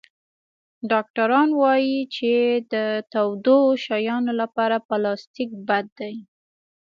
ډاکټران وایي چې د تودو شیانو لپاره پلاستيک بد دی.